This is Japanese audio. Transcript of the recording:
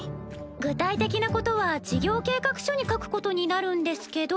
具体的なことは事業計画書に書くことになるんですけど。